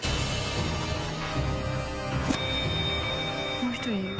もう１人いる。